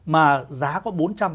mà giá có bốn trăm linh